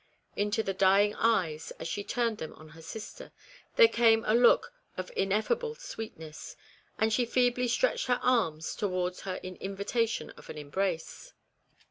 Into the dying eyes, as she turned them on her sister, there came a look of ineffable sweetness ; and she feebly stretched her arms towards her in invitation of an embrace.